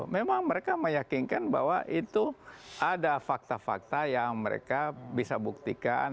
memang mereka meyakinkan bahwa itu ada fakta fakta yang mereka bisa buktikan